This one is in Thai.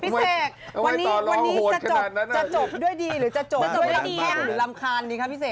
พี่เสกวันนี้จะจบด้วยดีหรือจะจบด้วยหรือลำคาญดีครับพี่เสก